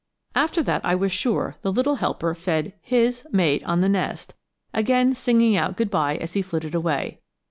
After that I was sure the little helper fed his (?) mate on the nest, again singing out good by as he flitted away.